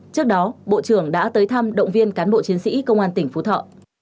trước đó bộ trưởng đã tới thăm động viên cán bộ chiến sĩ công an tỉnh phú thọ